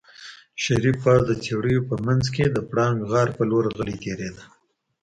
شريف پاس د څېړيو په منځ کې د پړانګ غار په لور غلی تېرېده.